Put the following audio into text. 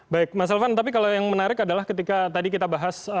baik mas elvan tapi kalau yang menarik adalah ketika tadi kita bahas